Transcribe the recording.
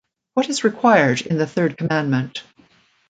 What is required in the third commandment?